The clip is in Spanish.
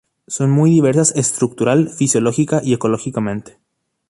Son muy diversas estructural, fisiológica y ecológicamente.